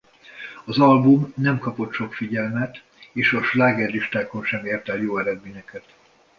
Az album nem kapott sok figyelmet és a slágerlistákon sem ért el jó eredményeket.